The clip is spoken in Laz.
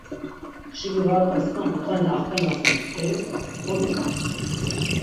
Şibi va rt̆asna mutxani axvenasen steri so nunǩapun?